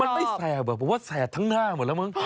มันไม่แสบอ่ะเพราะว่าแสดทั้งหน้าเหมือนละมึง